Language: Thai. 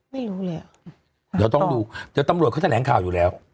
ไม่รู้เลยอ่ะเดี๋ยวต้องดูเดี๋ยวตำรวจเขาแถลงข่าวอยู่แล้ว